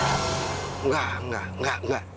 enggak enggak enggak enggak